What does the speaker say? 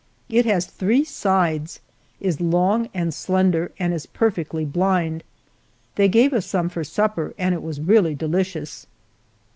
It has three sides, is long and slender, and is perfectly blind. They gave us some for supper and it was really delicious.